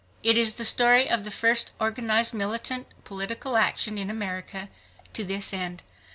It is the story of the first organized militant ,political action in America to this end.